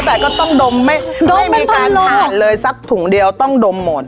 แต่ก็ต้องดมไม่มีการผ่านเลยสักถุงเดียวต้องดมหมด